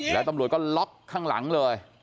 แล้วตำรวจก็ล็อกข้างหลังเลย